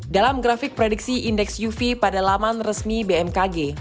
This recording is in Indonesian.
dalam grafik prediksi indeks uv pada laman resmi bmkg